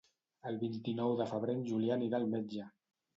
El vint-i-nou de febrer en Julià anirà al metge.